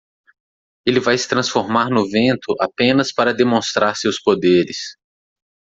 Ele vai se transformar no vento apenas para demonstrar seus poderes.